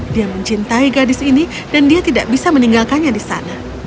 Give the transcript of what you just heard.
dia mencintai gadis ini dan dia tidak bisa meninggalkannya di sana